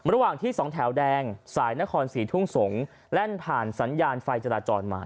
ระหว่างที่สองแถวแดงสายนครศรีทุ่งสงฆ์แล่นผ่านสัญญาณไฟจราจรมา